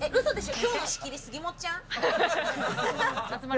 今日の仕切り、杉もっちゃん？